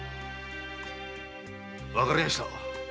わかりやした。